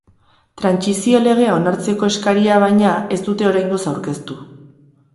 Trantsizio legea onartzeko eskaria, baina, ez dute oraingoz aurkeztu.